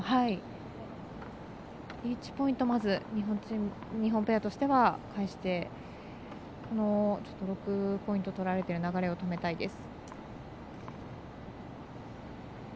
１ポイントまず日本ペアとしては返して６ポイント取られている流れを止めたいです。